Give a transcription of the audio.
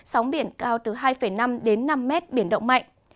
sóng biển cao từ hai năm đến năm mét biển động mạnh